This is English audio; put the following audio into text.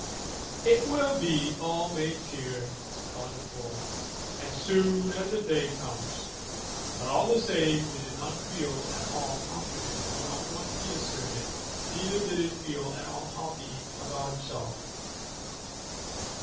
"It will all be made clear," thought the boy, "as soon as the day comes." But all the same he did not feel at all confident about what he asserted, neither did he feel at all happy about himself.